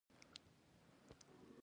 پکتيا د شملو ټاټوبی ده